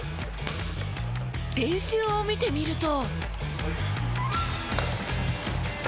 練習を見てみると。